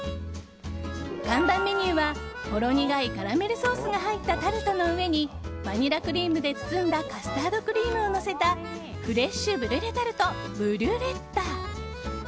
看板メニューはほろ苦いカラメルソースが入ったタルトの上にバニラクリームで包んだカスタードクリームをのせたフレッシュブリュレタルトブリュレッタ。